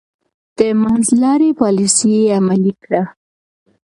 د منځلارۍ پاليسي يې عملي کړه.